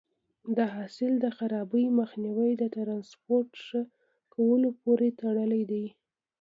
د حاصل د خرابي مخنیوی د ټرانسپورټ ښه کولو پورې تړلی دی.